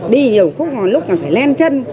đi nhiều lúc là phải len chân